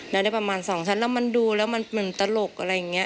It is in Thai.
แล้วได้ประมาณ๒ชั้นแล้วมันดูแล้วมันตลกอะไรอย่างนี้